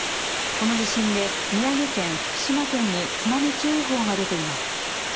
この地震で宮城県福島県に津波注意報が出ています。